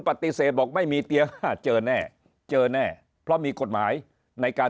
ปฏิเสธบอกไม่มีเตียงห้าเจอแน่เจอแน่เพราะมีกฎหมายในการ